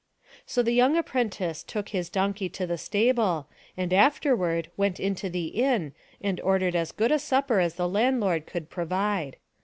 So the young apprentice took his donkey to the stable and afterward went into the inn and ordered as good a supper as the landlord could pro vide.